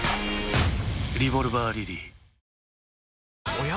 おや？